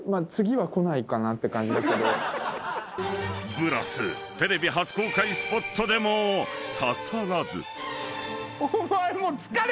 ［ブラステレビ初公開スポットでも刺さらず］